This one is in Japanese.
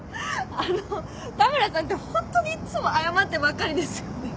あの田村さんってホントにいっつも謝ってばっかりですよね。